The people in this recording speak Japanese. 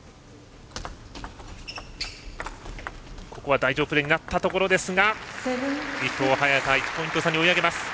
台上プレーになったところですが伊藤、早田１ポイント差に追い上げます。